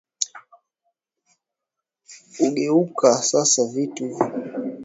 umegeuka sasa hivi tukiongea msikilizaji algeria